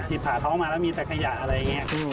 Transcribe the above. ผ่าท้องมาแล้วมีแต่ขยะอะไรอย่างนี้